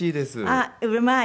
あっうまい。